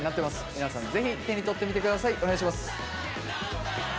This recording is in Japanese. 皆さんぜひ手に取ってみてください、お願いします。